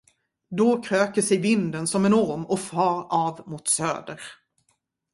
Då kröker sig vinden som en orm och far av mot söder.